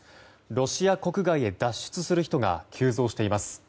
ロシア国外へ脱出する人が急増しています。